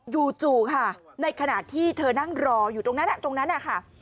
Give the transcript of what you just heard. อยู่จู่ค่ะในขณะที่เธอนั่งรออยู่ตรงนั้น